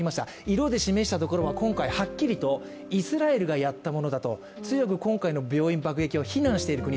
色で示したところが今回はっきりとイスラエルがやったと強く今回の病院爆撃を非難している国